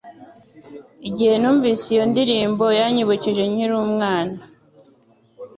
Igihe numvise iyo ndirimbo yanyibukije nkiri umwana